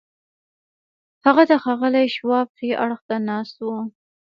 هغه د ښاغلي شواب ښي اړخ ته ناست و.